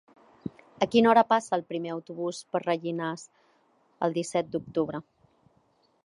A quina hora passa el primer autobús per Rellinars el disset d'octubre?